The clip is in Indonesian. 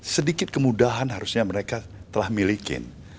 sedikit kemudahan harusnya mereka telah milikin